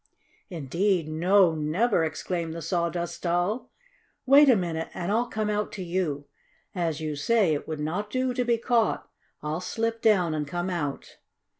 "Indeed, no; never!" exclaimed the Sawdust Doll. "Wait a minute and I'll come out to you. As you say, it would not do to be caught. I'll slip down and come out."